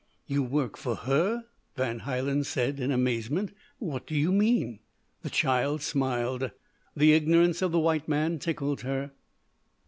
"You work for her!" Van Hielen said in amazement. "What do you mean?" The child smiled the ignorance of the white man tickled her.